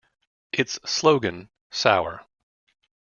Its slogan, Sour.